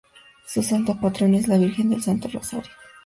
Su santa patrona es la Virgen del Santo Rosario.